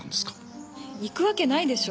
行くわけないでしょ。